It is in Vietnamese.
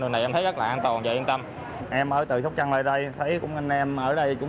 nhân viên rất là an toàn và yên tâm em ở từ sốc trăng lại đây thấy cũng anh em ở đây cũng